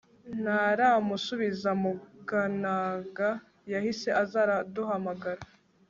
ntaramusubiza muganaga yahise aza araduhamagara